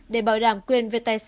để bảo đảm quyền về tài sản